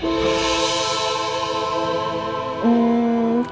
sama om baik juga